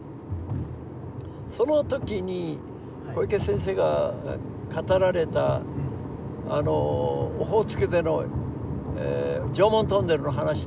その時に小池先生が語られたあのオホーツクでの常紋トンネルの話とかですね